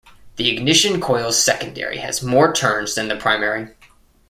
The ignition coil's secondary has more turns than the primary.